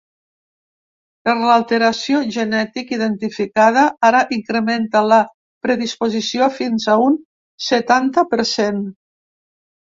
Però l’alteració genètic identificada ara incrementa la predisposició fins a un setanta per cent.